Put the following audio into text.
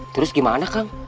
terus gimana kang